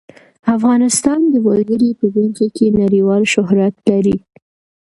افغانستان د وګړي په برخه کې نړیوال شهرت لري.